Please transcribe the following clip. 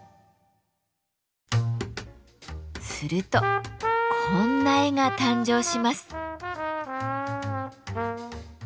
するとこんな絵が誕生します。